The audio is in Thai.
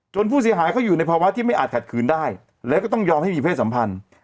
ผู้เสียหายเขาอยู่ในภาวะที่ไม่อาจขัดขืนได้แล้วก็ต้องยอมให้มีเพศสัมพันธ์